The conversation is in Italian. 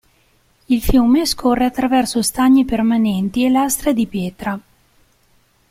Il fiume scorre attraverso stagni permanenti e lastre di pietra.